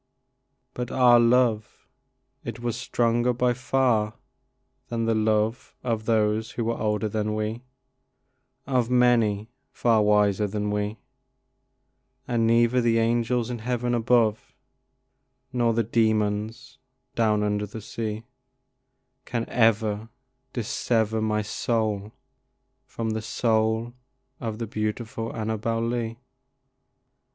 But our love it was stronger by far than the love Of those that were older than we, Of many far wiser than we, And neither the angels in heaven above Nor the demons down under the sea Can ever dissever my soul from the soul Of the beautiful Annabel Lee.